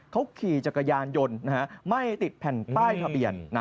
เขาขี่จักรยานยนต์ไม่ติดแผ่นป้ายทะเบียน